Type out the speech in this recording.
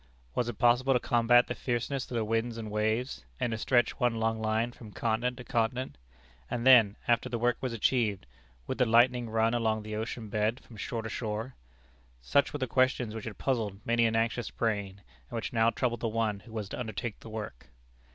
Was it possible to combat the fierceness of the winds and waves, and to stretch one long line from continent to continent? And then, after the work was achieved, would the lightning run along the ocean bed from shore to shore? Such were the questions which had puzzled many an anxious brain, and which now troubled the one who was to undertake the work.